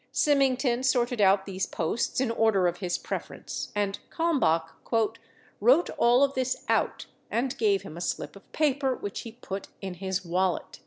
Symington sorted out these posts in order of his preference, and Kalmbach "wrote all of this out and gave him a slip of paper which he put in his wallet."